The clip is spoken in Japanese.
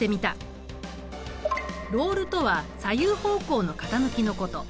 「ロール」とは左右方向の傾きのこと。